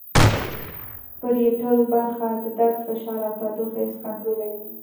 پریټل برخه د درد فشار او تودوخې حس کنترولوي